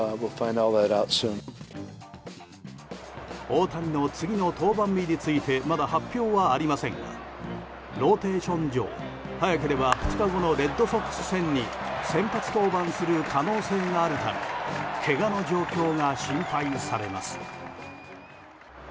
大谷の次の登板日についてまだ発表はありませんがローテーション上、早ければ２日後のレッドソックス戦に先発登板する可能性があるためけがの状況が心配されます。